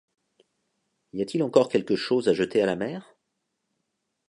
Y a-t-il encore quelque chose à jeter à la mer ?